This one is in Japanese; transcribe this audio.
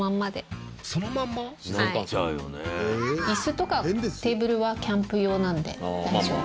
椅子とかテーブルはキャンプ用なんで大丈夫。